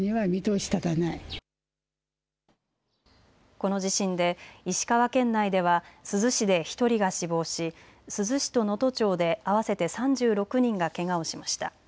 この地震で石川県内では珠洲市で１人が死亡し、珠洲市と能登町で合わせて３６人がけがをしました。